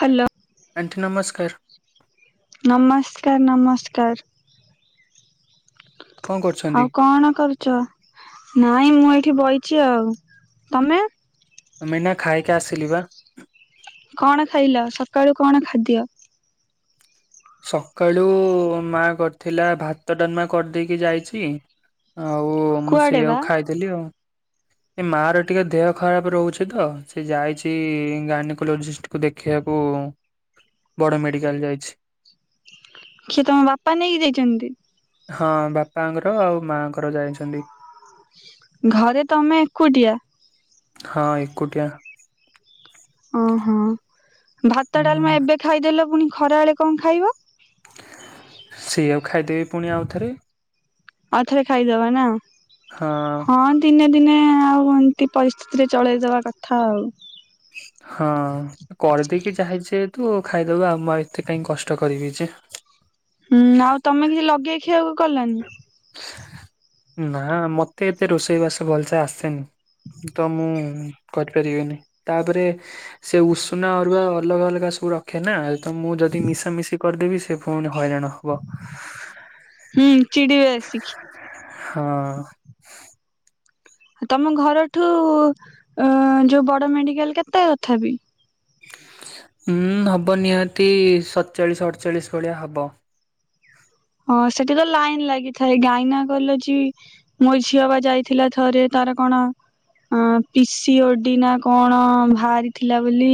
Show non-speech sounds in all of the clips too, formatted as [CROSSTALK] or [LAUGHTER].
Hello. Aunty ନମସ୍କାର। ନମସ୍କାର ନମସ୍କାର। କଣ କରୁଛନ୍ତି? ଆଉ କଣ କରୁ ଚ ନାଇଁ ମୁଁ ଏଇଠି ବଇଛି ଆଉ ତମେ? ଆମେ ଏଇନା ଖାଇକି ଆସିଲି ବା। କଣ ଖାଇଲ ସକାଳୁ କଣ ଖାଦ୍ୟ। ସକାଳୁ ମା କରିଥିଲା ଭାତ ଡାଲମା କରିଦେଇକି ଯାଇଚି। ଆଉ ମୁଁ କୁଆଡେ ବା ସେଇଆକୁ ଖାଇଦେଲି ଆଉ। ଏ ମା ର ଟିକେ ଦେହ ଖରାପ ରହୁଛି ତ ସେ ଯାଇଛି ଗାର୍ନିକୋଲୋଜିଷ୍ଟ କୁ ଦେଖିବାକୁ ବଡ ମେଡିକାଲ ଯାଇଛି। କିିଏ ତମ ବାପା ନେଇକି ଯାଇଛନ୍ତି? ହଁ ବାପାଙ୍କର ଆଉ ମାଆଙ୍କର ଯାଇଛନ୍ତି। ଘରେ ତମେ ଏକୁଟିଆ। ହଁ ଏକୁଟିଆ। ଓହୋ ଭାତ ଡାଲମା ହୁଁ ଏବେ ଖାଇଦେଲ ପୁଣି ଖରା ବେଳେ କଣ ଖାଇବ। ସେୟାକୁ ଖାଇଦେବି ପୁଣି ଆଉଥରେ। ଆଉ ଥରେ ଖାଇଦେବା ନା ହଁ ଦିନେ ଦିନେ ଆଉ ଏମିତି ପରିସ୍ଥିତିରେ ଚଳେଇଦବା କଥା ଆଉ। ହଁ। କରିଦେଇକି ଯାଇଛେ ତୁ ଖାଇଦବା ଆଉ ମୁଁ ଏତେ କାହିଁ କଷ୍ଟ କରିବି ଯେ। ହୁଁ ଆଉ ତମେ କିଛି ଲଗେଇ ଖିଆକୁ କଲାନି ନା ମତେ ଏତେ ରୋଷେଇ ବାସ ଭଲସେ ଆସେନି। ତ ମୁଁ କରିପାରିବିନି ତାପରେ ସେ ଉଷୁନା ଅରୁଆ ଅଲଗା ଅଲଗା ସବୁ ରଖେ ନା ତ ମୁଁ ଯଦି ମିଶା ମିଶି କରିଦେବି ସେ ଫୁ ଫୁଣି ହଇରାଣ ହବ। ହୁଁ ଚିଡିବେ ଆସିକି। ହଁ। ତମ ଘରଠୁ ଅ ଯୋଉ ବଡ ମେଡିକାଲ କେତେ କଥାପି ହୁଁ ହବ ନିହାତି ସଡଚାଳିଶ ଅଡ଼ଚାଳିଶ ଭଳିଆ ହବ। ହଁ ସେଠି ତ ଲାଇନ୍ ଲାଗିଥାଏ ଗାଇନା କଲଜି ମୋ ଝିଅ ବା ଯାଇଥିଲା ଥରେ ତାର କଣ ଅଁ ପି ସି ଓ ଡି ନା କଣ ବାହାରିଥିଲା ବୋଲି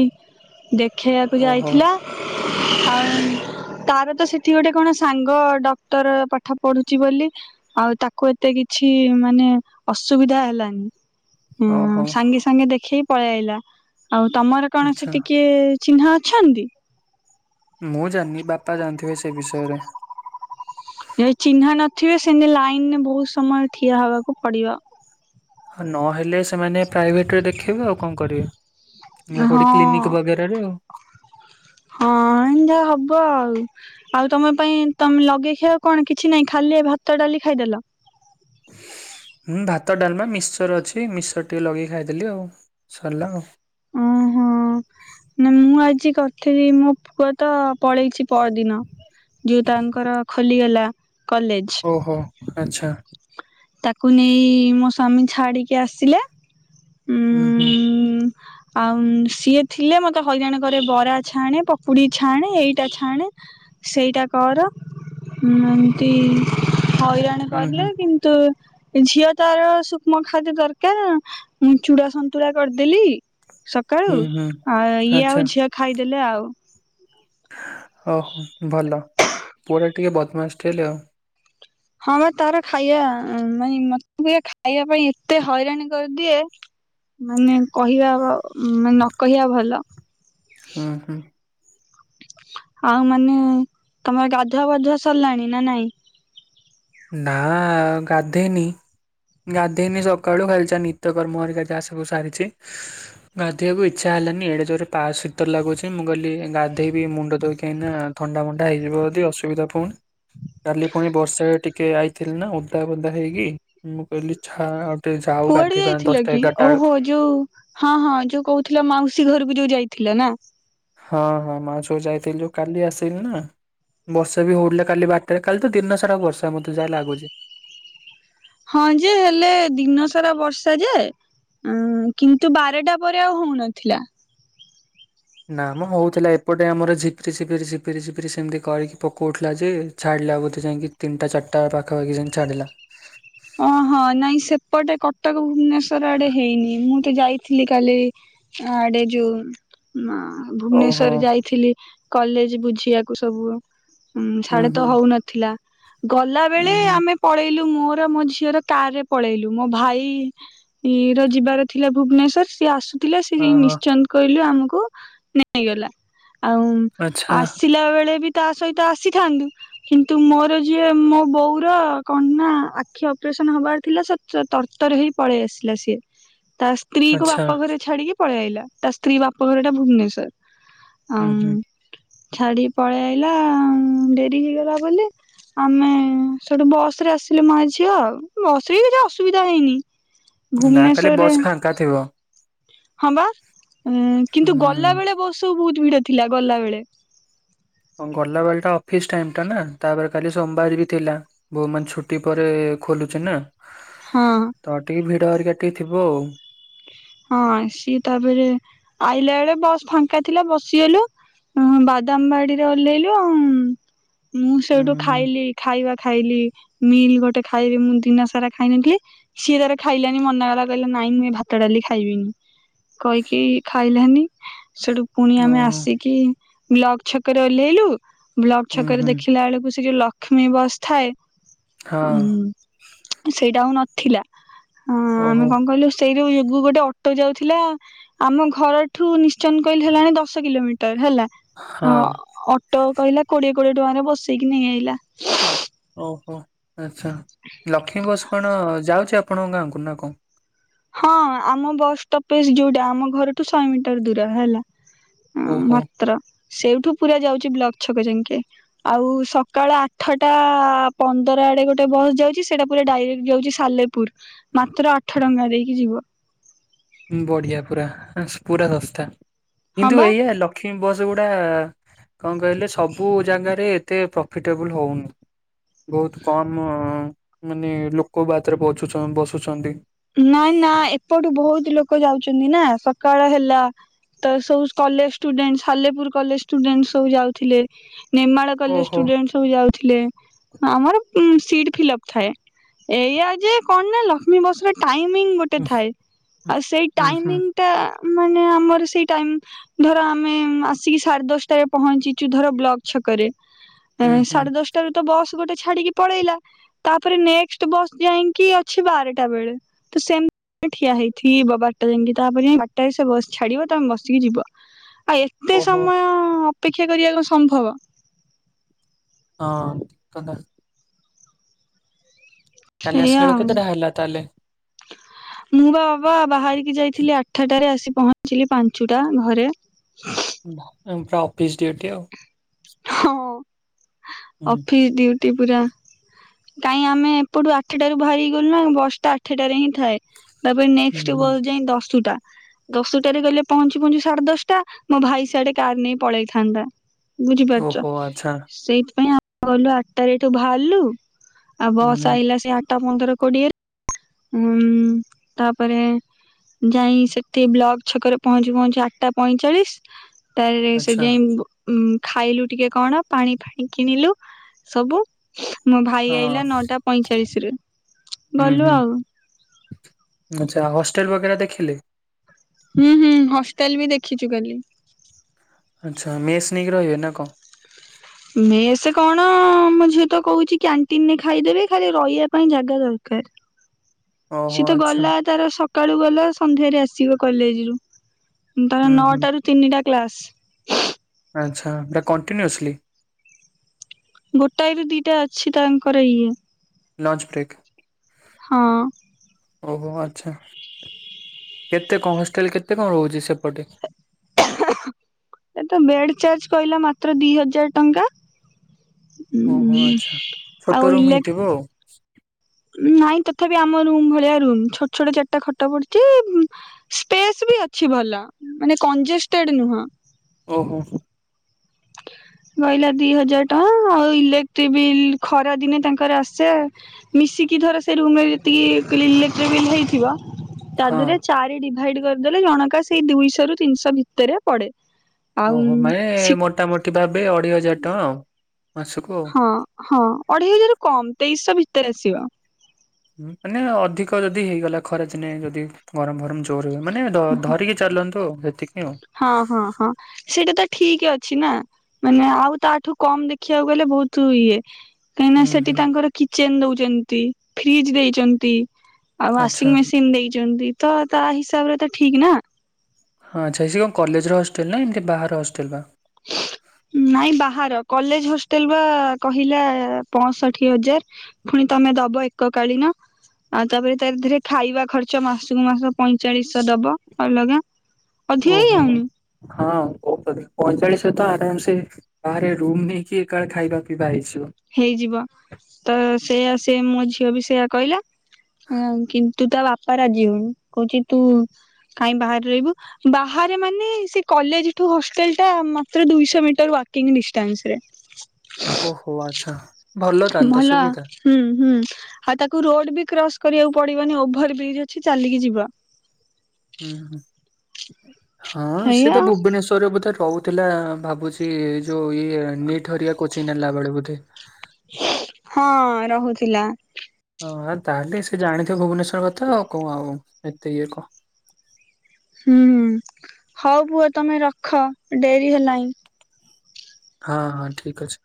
ଦେଖେଇବାକୁ ଓହୋ ଯାଇଥିଲା। ଆଉ ତାର ତ ସେଠି ଗୋଟେ କଣ ସାଙ୍ଗ ଡକ୍ଟର ପାଠ ପଢୁଚି ବୋଲି। ଆଉ ତାକୁ ଏତେ କିଛି ମାନେ ଅସୁବିଧା ହେଲାନି। ହୁଁ ଓହୋ ସାଙ୍ଗେ ସାଙ୍ଗେ ଦେଖେଇି ପଳେଇ ଆଇଲା ଆଉ ତମର କଣ ସେ ଆଚ୍ଛା। ଟିକିଏ ଚିହ୍ନା ଅଛନ୍ତି। ମୁଁ ଜାଣିନି ବାପା ଜାଣିଥିବେ ସେ ବିଷୟରେ। ଯଦି ଚିନ୍ହା ନଥିବେ ସେମତି ଲାଇନରେ ବହୁତ ସମୟ ଠିଆ ହବାକୁ ପଡିବ। ହ ନହେଲେ ସେମାନେ ପ୍ରାଇଭେଟରେ ଦେଖେଇବେ ଆଉ କଣ କରିବେ ନ ହେଲେ ହଁ। କୋଉଠି କ୍ଲିନିକି ବଗେ [UNINTELLIGIBLE] ହଁ ଏନ୍ତିଆ ହବ ଆଉ। ଆଉ ତମ ପାଇଁ ତମେ ଲଗେଇ ଥିଲ କଣ କିଛି ନାଇଁ ଖାଲି ଭାତ ଡାଲି ଖାଇଦେଲ। ହୁଁ ଭାତ ଡାଲମା ମିଶ୍ଚର ଅଛି ମିିଶ୍ଚର ଟିକେ ଲଗେଇ ଖାଇଦେଲି ଆଉ। ସଲା ଆଉ। ଅଁ ହଁ ନା ମୁଁ ଆଜି କରଥିଲି ମୋ ପୁଅ ତ ପଳେଇଚି ପଅର ଦିନ ଯିଉ ତାଙ୍କର ଖୋଲିଗଲା। କଲେଜ ଓହୋ ଆଚ୍ଛା। ତାକୁ ନେଇ ମୋ ସ୍ଵାମୀ ଛାଡିକି ଆସିଲେ। ଉଁ ହୁଁ। ଆଉ ସିଏ ଥିଲେ ମତେ ହଇରାଣ କରେ ବରା ଛାଣେ, ପକୁଡି ଛାଣେ ଏଇଟା ଛାଣେ। ସେଇଟା କର ଉଁ ଏମତି। ହଇରାଣ ହୁଁ, ହୁଁ, କରିଲେ କିନ୍ତୁ। ଝିଅ ତାର ସୂକ୍ଷ୍ମ ଖାଦ୍ୟ ଦରକାର ମୁଁ ଚୂଡ଼ା ସନ୍ତୁଳା କରଦେଲି। ହୁଁ, ସକାଳୁ ହୁଁ, ଆ ଇଏ ଆଚ୍ଛା। ଆଉ ଝିଅ ଖାଇଦେଲେ ଆଉ। ଉ ହୋ ଭଲ ପୁଅଟା ଟିକେ ବଦମାସଟା ହେଲେ ଆଉ। ହଁ ବା ତାର ଖାଇବା ନାଇଁ ମ ରା ଖାଇବା ପାଇଁ ଏତେ ହଇରାଣ କରଦିଏ। ମାନେ କହିବା ମାନେ ନ କହିବା ଭଲ। ହୁଁ, ହୁଁ। ଆଉ ମାନେ ତମର ଗାଧୁଆପାଧୁଆ ସଲାଣି ନା ନାଇଁ। ନାଁ ଗାଧେଇନି। ଗାଧେଇନି ସକାଳୁ ଖାଲି ଯା ନିତ୍ୟକର୍ମ ହେରିକା ଯାହା ସବୁ ସାରିଛି। ଗାଧେଇବାକୁ ଇଚ୍ଛା ହେଲାନି ଏଡେ ଜୋରେ ପା ଶୀତ ଲାଗୁଛି ମୁଁ କହିଲି ଗାଧେଇବି ମୁଣ୍ଡ ଧୋଇ କାହିଁନା ଥଣ୍ଡା ମଣ୍ଡା ହେଇଯିବ ଯଦି ଅସୁବିଧା ଫୁଣି କାଲି ଫୁଣି ବର୍ଷା ଟି କେ ଆଇଥିଲି ନା ଓଦା ବୋଦା ହେଇକି ମୁଁ କହିଲି ଛା ଟିକେ ଯାଉ କୁଆଡେ ଗାଧେଇବା ଯାଇଥିଲ ଦଶଟା କି ଏଗାରଟା ଓହୋ ବେଳକୁ। ଯୋଉ ହଁ ହଁ ଯୋଉ କହୁଥିଲ ମାଉସୀ ଘରକୁ ଯୋଉ ଯାଇଥିଲ ନା। ହଁ, ହଁ, ମାଉସୀ ଯୋଉ ଯାଇଥିଲୁ କାଲି ଆସିଲି ନା। ବର୍ଷା ବି ହଉଢ଼ିଲା କାଲି ବାରଟାରେ କାଲି ତ ଦିନ ସାରା ବର୍ଷା ମତେ ଯାହା ଲାଗୁଚି। ହଁ ଯେ ହେଲେ ଦିନ ସାରା ବର୍ଷା ଯେ। ଉଁ କିନ୍ତୁ ବାରଟା ପରେ ଆଉ ହଉନଥିଲା। ନା ମ ହଉଥିଲା ଏପଟେ ଆମର ଝିପିରି, ଝିପରି, ଝିପରି, ଝିପିରି ସେମିତି କରିକି ପକଉଥିଲା ଯେ। ଛାଡ଼ିଲା ବୋଧେ ଯାଇଁକି ତିନିଟା ଚାରିଟା ପାଖାପାଖି ଯାଇଁକି ଛାଡ଼ିଲା। ଓ ହଁ ନାଇଁ ସେପଟେ କଟକ ଭୁବନେଶ୍ଵର ଆଡେ ହେଇନି ମୁଁ ତ ଯାଇ ଥିଲି କାଲି ଆଁ ଡେ ଯୋଉ ମା ଓହୋ ଭୁବନେଶ୍ଵର ଯାଇଥିଲି। କଲେଜେ ବୁଝିବାକୁ ସବୁ ଉଁ ହୁଁ ସାଢେ ହୁଁ ତ ହଉନଥିଲା। ଗଲା ହୁଁ ବେଳେ ହୁଁ ଆମେ ପଳେଇଲୁ ମୋର ଆଉ ମୋ ଝିଅର କାର୍ ରେ ପଳେଇଲୁ ମୋ ଭାଇ। ଇ ର ଯିବାର ଥିଲା ଭୁବନେଶ୍ଵର ସିଏ ଆସୁ ଥିଲେ ସେ ହଁ ଯାଇଁ ହଁ ନିଶ୍ଚନ୍ତ କହିଲୁ ଆମକୁ ନେଇଗଲା। ଆଉ ଆଚ୍ଛା ଆସିଲା ବେଳେ ବି ତା ସହିତ ଆସିଥାନ୍ତୁ, କିନ୍ତୁ ମୋର ଯିଏ ମୋ ବଉର କଣ ନା ଆଖି ଅପ୍ରେସନ ହବାର ଥିଲା ସେ ଚ ତରତରେ ହେଇ ପଳେଇ ଆସିଲା ସିଏ। ତା ସ୍ତ୍ରୀ କୁ ଆଚ୍ଛା ବାପା ଘରେ ଛାଡିକି ପଳେଇ ଆଇଲା ତା ସ୍ତ୍ରୀ ବାପଘର ଟା ଭୁବନେଶ୍ଵର ଅଁ ହୁଁ ହୁଁ ଛାଡି ପଳେଇ ଆଇଲା ଡେରି ହେଇଗଲା ବୋଲି। ଆମେ ସେଠୁ ବସ୍ ରେ ଆସିଲେ ମା ଝି ଝିଅ ଆଉ ବସରେ ବି କିଛି ଅସୁବିଧା ହେଇନି। ଭୁବନେଶ୍ଵରରେ କା ଥିବ। ହଁ ବା ଉଁ କିନ୍ତୁ ଗଲା ବେଳେ ବସ୍ ସବୁ ବହୁତ ଭିଡ ଥିଲା ଗଲା ବେଳେ। ହଁ ଗଲାବେଳ ଟା ଅଫିସ୍ ଟାଇମ୍ ଟା ନା ତାପରେ କାଲି ସୋମବାର ବି ଥିଲା। ବହୁ ମାନେ ଛୁଟି ପରେ ଖୋଲୁଚି ନା। ହଁ। ତ ଟିକେ ଭିଡ ହେରିକା ଟିକେ ଥିବ ଆଉ। ହଁ ସିଏ ତାପରେ ଆଇଲା ବେଳେ ବସ୍ ଫାଙ୍କା ଥିଲା ବସିଗଲୁ। ହଁ ବାଦାମ ବାଡିରେ ଓହ୍ଲେଇଲୁ ଆଉ ମୁଁ ହୁଁ ସେଇଠୁ ହୁଁ ଖାଇଲି। ଖାଇବା ଖାଇଲି ମିଲ୍ ଗୋଟେ ଖାଇବି ମୁଁ ଦିନସାରା ଖାଇନଥିଲି। ସିଏ ତାର ଖାଇଲାନି ମନାକଲା କହିଲା ନାଇଁ ମୁଁ ଏଇ ଭାତଡ଼ାଲି ଖା ଖାଇବିନି କହିକି ଖାଇଲାନି ସେଠୁ ପୁଣି ଆମେ ଓହୋ ଆସିକି ବ୍ଲକ ଛକରେ ଓହ୍ଲେଇଲୁ ବ୍ଲକ ହୁଁ ଛକରେ ହୁଁ ଦେଖିଲା ବେଳକୁ ସେ ଯୋଉ ଲ ଲକ୍ଷ୍ମୀବସଥାଏ ହଁ। ଉଁ ସେଇଟା ଆଉ ନଥିଲା। ହଁ ଆମେ ଓହୋ କଣ କହିଲୁ ସେଇ ଯୋଗୁ ଗୋଟେ ଅଟୋ ଯାଉଥିଲା ଆମ ଘରଠୁ ନିଶ୍ଚନକୋଇଲି ହେଲାଣି ଦଶ କିଲୋମିଟର ହେଲା। ହଁ ଅଟୋ କହିଲା କୋଡିଏ କୋଡିଏ ଟଙ୍କାରେ ବସେଇକି ନେଇ ଆଇଲା। ଓହୋ ଆଚ୍ଛା ଲକ୍ଷ୍ମୀ ବସ୍‌ କଣ ଯାଉଛି ଆପଣଙ୍କ ଗାଁକୁ ନା କଣ? ହଁ ଆମ ବସ୍ ଷ୍ଟପେଜ ଯୋଉଟା ଆମ ଘରଠୁ ଶହେ ମିଟର ଦୂର ହେଲା। ହଁ ଓହୋ ମାତ୍ର ସେଇଠୁ ପୁରା ଯାଉଛି ବ୍ଲକ ଛକ ଯାଙ୍କେ। ଆଉ ସକାଳ ଆଠଟା ପନ୍ଦର ଆଡେ ଗୋଟେ ବସ୍ ଯାଉଚି ସେଇଟା ପୁରା ଡାଇରେକ୍ଟ ଯାଉଛି ସାଲେପୁର ମାତ୍ର ଆଠ ଟଙ୍କା ଦେଇକି ଯିବ। ବଢିଆ ପୁରା ପୁରା ସସ୍ତା ହଁ କିନ୍ତୁ ବା ଏଇଆ ଲ ଲକ୍ଷ୍ମୀ ବସ୍‌ ଗୁଡା କଣ କହିଲେ ସବୁ ଜାଗାରେ ଏତେ ପ୍ରଫିଟେବୁଲୁ ହଉନି। ବହୁତ କମ୍ ମାନେ ଲୋକ ବ୍ୟାଚରେ ବ ବସୁଛନ୍ତି। ନାଇଁ ନା ଏପଟୁ ବହୁତ ଲୋକ ଯାଉଛନ୍ତି ନା ସକାଳ ହେଲା। ତ ସବୁ college student Salepur college student ସବୁ ଯାଉଥିଲେ। ନେମାଳ କଲେଜ୍‌ ଓହୋ ଷ୍ଟୁଡେଣ୍ଟ ସବୁ ଯାଉଥିଲେ ଆମର ସିଟ୍ ଫିଲପ୍ ଥାଏ। ଏଇଆ ଯେ କଣ ନା ଲକ୍ଷ୍ମୀ ବସ୍‌ରେ ଟାଇମିଙ୍ଗ ଗୋଟେ ହୁଁ ଥାଏ। ଆଉ ସେଇ ହୁଁ ହୁଁ ହୁଁ ଟାଇମିଙ୍ଗ ଏଇଟା ମାନେ ଆମର ସେଇ ଟାଇମ୍ ଧର ଆମେ ଆସିକି ସାଢେ ଦଶଟାରେ ପହଞ୍ଚିଛୁ ଧର ବ୍ଲକ ଛକରେ ହୁଁ ଉଁ ହୁଁ ସାଢ଼େ ଦଶ। ରୁ ତ ବସ୍ ଗୋଟେ ଛାଡିକି ପଳେଇଲା ତାପରେ ନେଷ୍ଟେ ବସ୍ ଯାଇକି ଅଛି ବାରଟା ବେଳେ। ତ ସେମ୍ ଠିଆ ହେଇଥିବ ବାରଟା ଯାଙ୍କେ ତାପରେ ବାରଟାରେ ସେ ବସ୍‌ ଛାଡିବ ତମେ ବସିକି ଯିବ। ଆଉ ଏତେ ଓହୋ ସମୟ ଅପେକ୍ଷା କରିବାକୁ ସମ୍ଭବ। ହଁ କରଦବା। କାଲି ଆସିଲା ସେଇଆ ବେଳକୁ ଆଉ କେତେଟା ହେଲା ତାହେଲେ ମୁଁ ବା ବାବା ବାହାରି ଯାଇଥିଲି ଆଠାଟାରେ ଆସି ପହଞ୍ଚିଲି ପାଞ୍ଚଟା ଘରେ। ପୁରା ଅଫିସ ଡୁଟି ଆଉ ହଁ ହୁଁ ଅଫିସ ଡିଉଟି ପୁରା। କାହିଁ ଆମେ ଏପଟୁ ଆଠଟାରୁ ବାହାରିଗଲୁ ନା ବସଟା ଆଠଟାରେ ହିଁ ଥାଏ। ତାପରେ ହୁଁ ନେକ୍ସଟ ହୁଁ ବସ ଯାଇ ଦଶଟା। ଦଶଟାରେ ଗଲେ ପହଞ୍ଚି ପହଞ୍ଚି ସାଢେ ଦଶଟା ମୋ ଭାଇ ସିଆଡେ କାର ନେଇ ପଳେଇଥାନ୍ତା। ବୁଝିପାରୁଛ ଓହୋ ଆଚ୍ଛା ସେଇଥିପାଇଁ ଆ ଗଲୁ ଆଠଟାରେ ଏଠୁ ବାହାରିଲୁ ଆଉ ହୁଁ ବସ ହୁଁ। ଆଇଲା ସେ ଆଠଟା ପନ୍ଦର କୋଡିଏରେ ଉଁ ତାପରେ ଯାଇ ସେଠି ବ୍ଲକ ଛକରେ ପହଞ୍ଚି ପହଞ୍ଚି ଆଠଟା ପଇଁଚାଳିଶ ତା ସେଠି ଯାଇ ଖାଇଲୁ ଟିକେ କଣ ପାଣି ଫାଣି କିଣିଲୁ ସବୁ ମୋ ଭାଇ ଆଇଲା ନଅଟା ପଇଁଚାଳିଶରେ ଗଲୁ ଆଉ ଆଛା ହଷ୍ଟେଲ ବଗେରା ଦେଖିଲେ। ହୁଁ ହୁଁ ହଷ୍ଟେଲ ବି ଦେଖିଛୁ କାଲି। ଆଚ୍ଛା ମେସ୍ ନେଇକି ରହିବେ ନା କଣ ମେସ କଣ ମୋ ଝିଅ ତ କହୁଛି କ୍ୟାଣ୍ଟିନରେ ଖାଇଦେବି ଖାଲି ରହିବା ପାଇଁ ଜାଗା ଦରକାର। [UNINTELLIGIBLE] ସିଏ ତ ଗଲା ତାର ସକାଳୁ ଗଲା ସନ୍ଧ୍ୟାରେ ଆସିବ କଲେଜରୁ ନଅଟା ରୁ ତିନିଟା କ୍ଲାସ ଆଚ୍ଛା ଏଟା କଣ୍ଟିନ୍ୟୁସଲି ଗୋଟାଏ ବି ଦିଟା ଅଛି ତାଙ୍କର ଇଏ। Lunch break. ହଁ। ଓହୋ ଆଚ୍ଛା କେତେ କଣ ହଷ୍ଟେଲ କେତେ କଣ ରହୁଛି ସେପଟେ? ଓଁହ ଏ ତ ବେଡ ଚାର୍ଜ କହିଲା ମାତ୍ର ଦି ହଜାର ଟଙ୍କା। ଓହୋ ଉଁ ଆଚ୍ଛା ଆଉ ଛୋଟ ରୁମ୍ ଇଲେ ହେଇଥିବ ଆଉ। ନାଇଁ ତଥାପି ଆମ ରୁମ୍ ଭଳିଆ ରୁମ୍ ଛୋଟ ଛୋଟ ଚାରିଟା ଖଟ ପଡଛି ସ୍ପେସ୍ ବି ଅଛି ଭଲ ମାନେ କଂଜେଷ୍ଟେଡ ନୁହଁ। ଓହୋ। କହିଲା ଦି ହଜାର ଟଙ୍କା ଆଉ ଇଲେକ୍ଟ୍ରିକ ବିଲ୍ ଖରା ଦିନେ ତାଙ୍କର ଆସେ ମିଶିକି ଧର ସେ ରୁମରେ ଯେତିକି କ ଇଲେକ୍ଟ୍ର ବିଲ୍ ହେଇଥିବ। ତା ହଁ ଦେହରେ ଚାରି ଡିଭାଇଡ କରିଦେଲେ ଜଣକା ସେଇ ଦୁଇଶହ ରୁ ତିନିଶହ ଭିତରେ ପଡେ। ଆଉ ଓହୋ ମାନେ ଶୀ ମୋଟାମୋଟି ଭାବେ ଅଢେଇ ହଜାର ଟଙ୍କା ଆଉ ମାସକୁ। ଆଉ ହଁ ହଁ ଅଢେଇ ହଜାରୁ କମ ତେଇଶିଶହ ଭିତରେ ଆସିବ। ମାନେ ଅଧିକ ଯଦି ହେଇଗଲା ଖରାଦିନେ ଯଦି ଗରମ ଗରମ [UNINTELLIGIBLE] ମାନେ ଧରିକି ଚାଲନ୍ତୁ ଆଉ ଏତିକି ଆଉ। ହଁ ହଁ ହଁ ସେଇଟା ତ ଠିକ ଅଛି ନା। ମାନେ ଆଉ ତାଠୁ କମ ଦେଖିବାକୁ ଗଲେ ବହୁତ ଇଏ। କାହିଁକିନା ହୁଁ ସେଠି ହୁଁ ତାଙ୍କର କିଚେନ ଦଉଛନ୍ତି, ଫ୍ରିଜ ଦେଇଛନ୍ତି ଆଉ ଆଚ୍ଛା। ୱାସିଂ ମେସିନ୍ ତିନ ଦେଇଛନ୍ତି ତ ତା ହିସାବ ରେ ତ ଠିକ ନା। ହଁ ଆଛା ସେ କଣ କଲେଜର ହଷ୍ଟେଲ ନା ଏମିତି ବାହାର ହଷ୍ଟେଲ ବା? ନାଇଁ ବାହାର କଲେଜ ହଷ୍ଟେଲ ବା କହିଲା ପଞ୍ଚଷଠି ହଜାର। ପୁଣି ତମେ ଦବ ଏକକାଳି ନ। ଆଉ ତାପରେ ତାରି ଦେରେ ଖାଇବା ଖର୍ଚ ମାସକୁ ମାସ ପଇଁଚାଳିଶହ ଦବ ଅଲଗା। ଅଧିକ ଓହୋ ହେଇଯାଉନି ହଁ ପହଚାଳିଶହ ତ ଆରାମ ସେ ବାହାରେ ରୁମ୍ ନେଇକି ଏକା ଖାଇବା ପିଇବା ହେଇଯିବ। ହେଇଯିବ ତ ସେଇୟା ସେ ମୋ ଝିଅ ବି ସେଇୟଆ କହିଲା। ଅ କି ନ୍ତୁ ତା ବାପା ରାଜି ହଉନି। କହୁଛି ତୁ କାଇଁ ବାହାରେ ରହିବୁ। ବାହାରେ ମାନେ ସେ କଲେଜଠୁ ହଷ୍ଟେଲଟା ମାତ୍ର ଦୁଇଶହ ମିଟର ୱାକିଂ ଡିଷ୍ଟାନ୍ସ ରେ। ଓହୋ ଆଛା। ଭଲ। ହୁଁ ହୁଁ ଆଉ ତାକୁ ରୋଡ ବି କ୍ରସ୍ କରିବାକୁ ପଡିବନି। ଓଭର ବ୍ରିଜ୍ ଅଛି ଚାଲିକି ଯିବ। ହୁଁ ହଁ ସେ ହେଇଆ ତ ଭୁବନେଶ୍ଵରରେ ବୋଧେ ରହୁ ଥିଲା ଭାବୁଛି ଏ ଯୋଉ ଇଏ ନିଟ୍ ହରିଆ କୋଚିଂ ନେଲା ବେଳେ ବୋଧେ। ହଁ ରହୁଥିଲା। ହଁ ଆଉ ତାହେଲେ ସେ ଜାଣିଥିବ ଭୁବନେଶ୍ଵର କଥା ଆଉ। କଣ ଆଉ ଏତେ ଇଏ କଣ। ହୁଁ ହୁଁ ହଉ ପୁଅ ତମେ ରଖ ଡେରି ହେଲାଣି। ହଁ ହଁ ଠିକ ଅଛି।